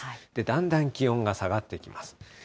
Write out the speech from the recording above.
だんだん気温が下がってきます。